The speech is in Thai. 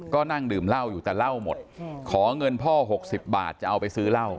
ก็นั่งดื่มเหล้าอยู่แต่เหล้าหมดขอเงินพ่อ๖๐บาทจะเอาไปซื้อเหล้า